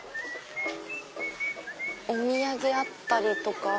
お土産あったりとか。